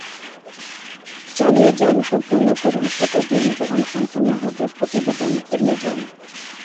এরা প্রাথমিকভাবে বন্য ইঁদুর এবং অন্যান্য ছোট স্তন্যপায়ী প্রাণীদের ভক্ষণ করে।